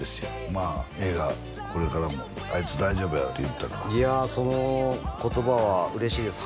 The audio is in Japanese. まあ映画これからも「あいつ大丈夫や」って言うてたからいやあその言葉は嬉しいです